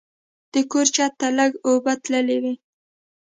د کور چت ته لږ اوبه تللې وې.